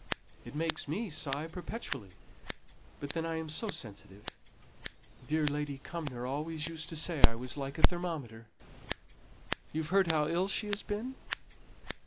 It makes me sigh perpetually; but then I am so sensitive. Dear Lady Cumnor always used to say I was like a thermometer. You've heard how ill she has been?"